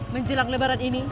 menjelang lebaran ini